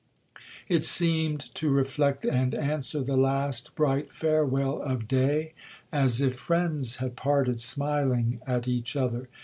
It seemed to reflect and answer the last bright farewell of day, as if friends had parted smiling at each other.